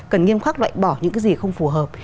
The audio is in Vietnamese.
cần nghiêm khắc loại bỏ những cái gì không phù hợp